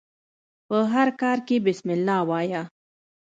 په هر کار کښي بسم الله وايه!